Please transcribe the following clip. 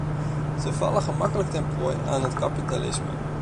Ze vallen gemakkelijk ten prooi aan het kapitalisme.